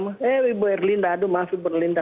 eh ibu erlinda aduh maaf ibu erlinda